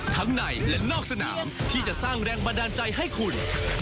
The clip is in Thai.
ทั้งในและนอกสนามที่จะสร้างแรงบันดาลใจให้คุณ